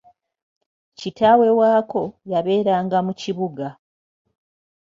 Kitaawe waako, yabeeranga mu kibuga.